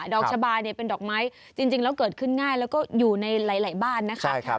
ดอกชะบาเป็นดอกไม้จริงแล้วเกิดขึ้นง่ายแล้วก็อยู่ในหลายบ้านนะคะ